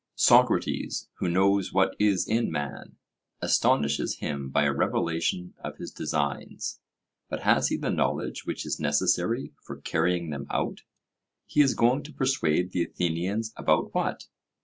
Socrates, 'who knows what is in man,' astonishes him by a revelation of his designs. But has he the knowledge which is necessary for carrying them out? He is going to persuade the Athenians about what?